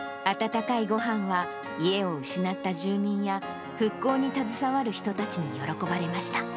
温かいごはんは、家を失った住民や、復興に携わる人たちに喜ばれました。